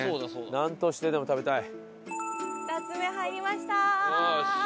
なんとしてでも食べたい。